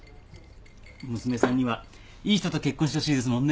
娘さんにはいい人と結婚してほしいですもんね。